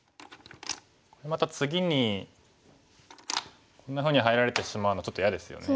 また次にこんなふうに入られてしまうのちょっと嫌ですよね。